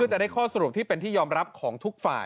จะได้ข้อสรุปที่เป็นที่ยอมรับของทุกฝ่าย